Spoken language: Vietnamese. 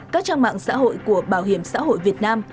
các trang mạng xã hội của bảo hiểm xã hội việt nam